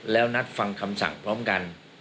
แล้วนัดฟังคำสั่งพร้อมกัน